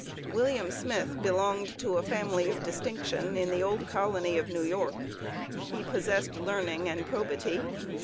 William Smith belonged to a family of distinction in the old colony of New York. He possessed learning and probity.